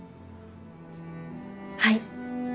はい。